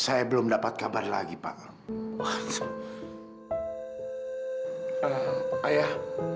ayah kenapa negelin jonggrang ayah